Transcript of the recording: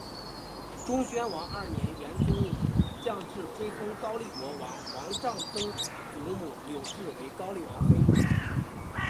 忠宣王二年元武宗降制追封高丽国王王璋曾祖母柳氏为高丽王妃。